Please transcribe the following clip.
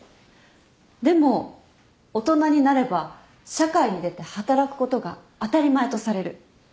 でも大人になれば社会に出て働くことが当たり前とされる。